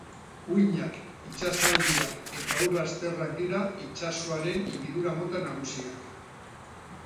Uhinak, itsasaldiak eta ur lasterrak dira itsasoaren higidura mota nagusiak.